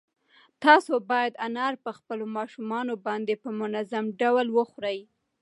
تاسو باید انار په خپلو ماشومانو باندې په منظم ډول وخورئ.